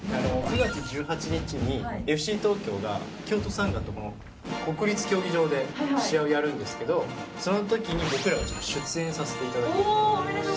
９月１８日にＦＣ東京が京都サンガとこの国立競技場で試合をやるんですけどその時に僕らがちょっと出演させて頂ける事になりまして。